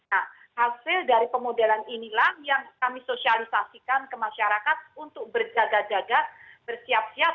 nah hasil dari pemodelan inilah yang kami sosialisasikan ke masyarakat untuk berjaga jaga bersiap siap